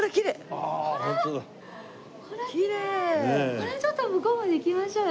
これはちょっと向こうまで行きましょうよ